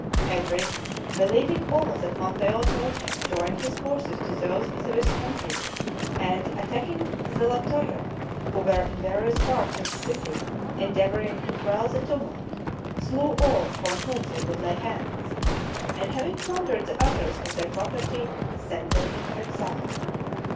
Henry, believing all that Maffeo told him, joined his forces to those of the Visconti, and attacking the La Torre, who were in various parts of the city endeavoring to quell the tumult, slew all upon whom they could lay hands, and having plundered the others of their property, sent them into exile.